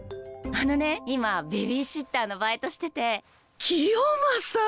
あのね今ベビーシッターのバイトしてて。